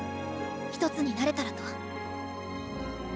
一つになれたらと。